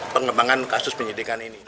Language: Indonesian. pengembangan kasus penyidikan ini